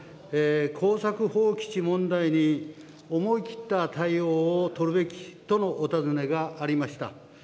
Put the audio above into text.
耕作放棄地問題に思い切った対応を取るべきとのお尋ねがありました。